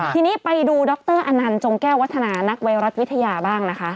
ทีนี้ไปดูดรอนันต์จงแก้ววัฒนานักไวรัสวิทยาบ้างนะคะ